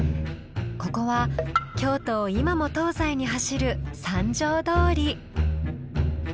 ここは京都を今も東西に走る三条通。